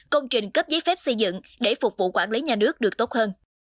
công trình cấp giấy phép xây dựng để phục vụ quản lý nhà nước được tốt hơn